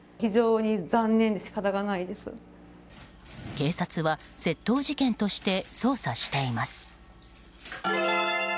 警察は窃盗事件として捜査しています。